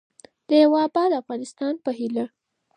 د یوه اباد افغانستان په هیله.